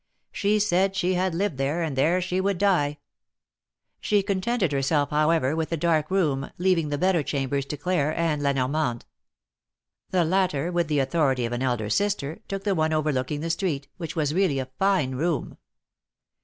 She said she had lived there, and there she would die. THE MARKETS OF PARIS. 159 She contented herself, however, with a dark room, leaving the better chambers to Claire and La Normande. The latter, with the authority of an elder sister, took the one overlooking the street, which was really a fine room.